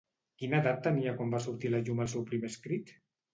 Quina edat tenia quan va sortir a la llum el seu primer escrit?